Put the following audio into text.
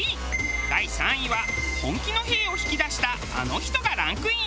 第３位は本気の「へぇ」を引き出したあの人がランクイン。